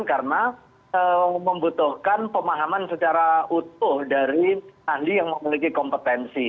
karena membutuhkan pemahaman secara utuh dari ahli yang memiliki kompetensi